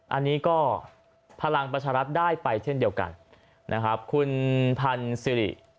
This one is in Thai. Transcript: อันนี้ก็พลังประชารัฐได้ไปเช่นเดียวกันนะครับคุณพันธ์สิริ